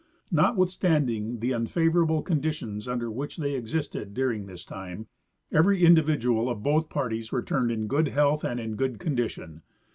Notwithstanding the unfavorable con ditions under which they existed during this time, every indi vidual of both parties returned in good health and in good con dition.